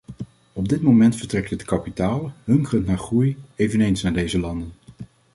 Op dit moment vertrekt het kapitaal, hunkerend naar groei, eveneens naar deze landen.